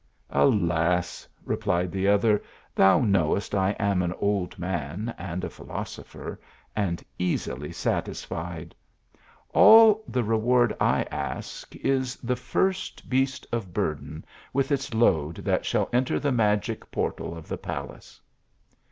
"Alas," replied the other, "thou knowest I am an old man, and a philosopher, and easily satisfied ; all the reward I ask, is the first beast of burden, with its load, that shall enter the magic portal of the palace."